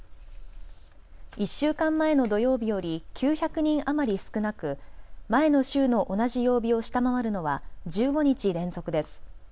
１週間前の土曜日より９００人余り少なく前の週の同じ曜日を下回るのは１５日連続です。